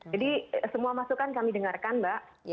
jadi semua masukan kami dengarkan mbak